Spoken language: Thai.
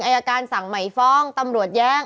อายการสั่งใหม่ฟ้องตำรวจแย้ง